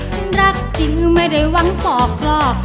ฉันรักจริงไม่ได้หวังปอกหลอก